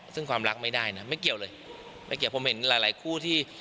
ถ้าเกี่ยวผมเห็นหลายคู่ที่